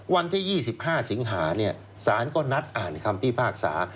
วันที่๒๕สิงหาสารก็นัดอ่านคำพิพากษา